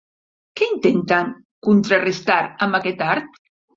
Què intenten contrarestar amb aquest art?